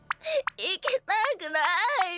いきたくないよ。